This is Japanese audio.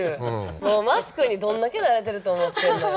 もうマスクにどんだけ慣れてると思ってんのよ。